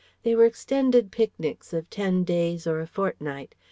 They were extended picnics of ten days or a fortnight.